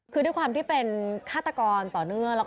คือด้วยความที่เป็นฆาตกรต่อเนื่อง